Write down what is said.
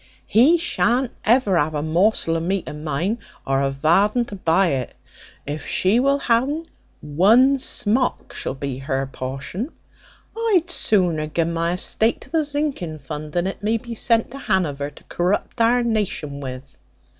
He shan't ever have a morsel of meat of mine, or a varden to buy it: if she will ha un, one smock shall be her portion. I'd sooner ge my esteate to the zinking fund, that it may be sent to Hanover to corrupt our nation with."